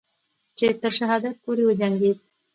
چې تر شهادت پورې وجنگید